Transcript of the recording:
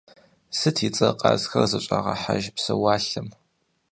Сыт и цӏэр къазхэр зыщӀагъэхьэж псэуалъэм?